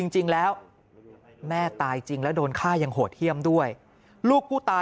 จริงแล้วแม่ตายจริงแล้วโดนฆ่ายังโหดเยี่ยมด้วยลูกผู้ตาย